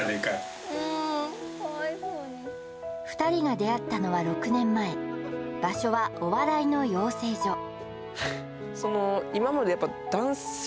２人が出会ったのは６年前場所はお笑いの養成所